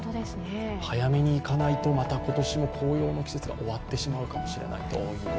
早めに行かないと、また今年も紅葉の季節が終わってしまうかもしれない。